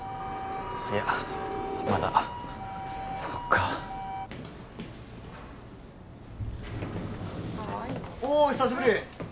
いやまだそっかおッ久しぶり